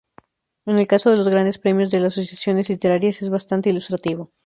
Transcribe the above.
El caso de los Grandes Premios de las Asociaciones Literarias es bastante ilustrativo.